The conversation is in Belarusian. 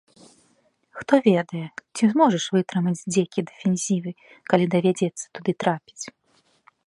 Хто ведае, ці зможаш вытрымаць здзекі дэфензівы, калі давядзецца туды трапіць?